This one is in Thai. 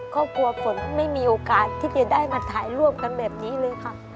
ฝนไม่มีโอกาสที่จะได้มาถ่ายร่วมกันแบบนี้เลยค่ะ